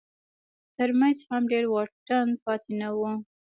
تر منځ هم ډېر واټن پاتې نه و.